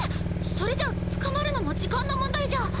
それじゃあ捕まるのも時間の問題じゃ。